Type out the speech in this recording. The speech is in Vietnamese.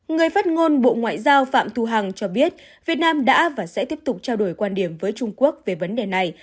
người phát ngôn bộ ngoại giao phạm thu hằng cho biết việt nam đã và sẽ tiếp tục trao đổi quan điểm với trung quốc về vấn đề này